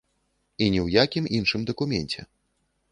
І ні ў якім іншым дакуменце.